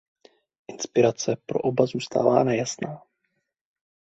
Inspirace pro oba zůstává nejasná.